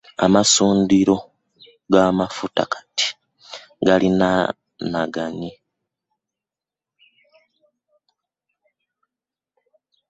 Amasundiro g'amafuta kati galiraanaganye nnyo.